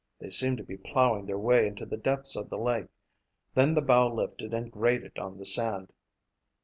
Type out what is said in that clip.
They seemed to be plowing their way into the depths of the lake. Then the bow lifted and grated on the sand.